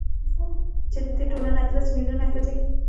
چـې د دې ټـولـنې اتـلس مـيلـيونـه ښـځـې .